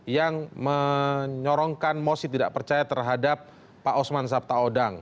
yang menyorongkan mosi tidak percaya terhadap pak osman sabtaodang